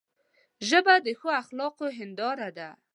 ژبه د ښو اخلاقو هنداره ده